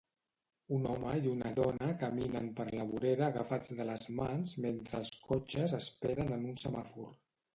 Un home i una dona caminen per la vorera agafats de les mans mentre els cotxes esperen en un semàfor.